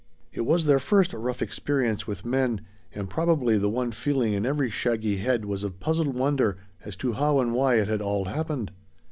It was their first rough experience with men, and probably the one feeling in every shaggy head was of puzzled wonder as to how and why it had all happened.